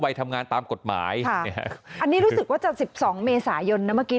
ไปทำงานตามกฎหมายอันนี้รู้สึกว่าจะ๑๒เมษายนนะเมื่อกี้